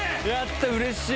うれしい！